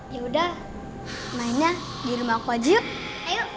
yaudah mainnya di rumah aku aja yuk